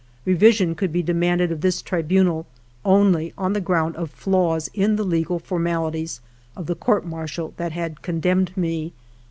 Revision could be demanded of this tri bunal only on the ground of flaws in the legal formalities of the Court Martial that had con demned me.